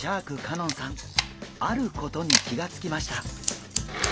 あることに気が付きました。